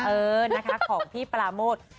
เออนะคะของพี่ปราโมท